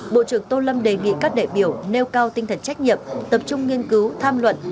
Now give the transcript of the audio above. bộ trưởng tô lâm đề nghị các đại biểu nêu cao tinh thần trách nhiệm tập trung nghiên cứu tham luận